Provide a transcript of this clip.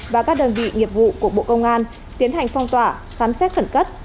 và các đơn vị nghiệp vụ của bộ công an tiến hành phong tỏa phám xét khẩn cất